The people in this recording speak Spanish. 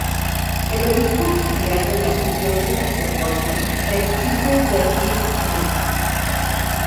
El obispo auxiliar de la Arquidiócesis de Portland es Peter Leslie Smith.